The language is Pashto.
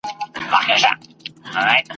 اوس مي پر لکړه هغه لاري ستړي کړي دي ..